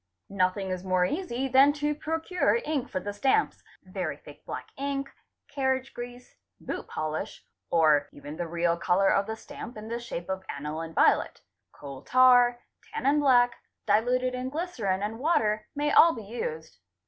Nothing is more easy than to procure ink for the stamps; very thick black ink, carriage grease, boot polish, or even the real colour of the stamp in the shape of aniline violet, coal tar, tannin black, diluted in glycerine and water, may all be used.